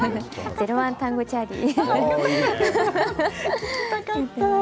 ゼロワンタンゴチャーリー。